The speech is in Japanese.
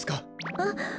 あっ！